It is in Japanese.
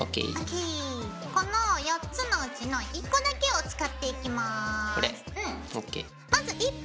この４つのうちの１個だけを使っていきます。